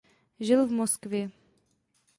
Žil v Moskvě.